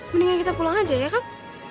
mendingan kita pulang aja ya kak